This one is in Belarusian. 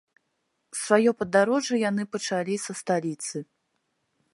Сваё падарожжа яны пачалі са сталіцы.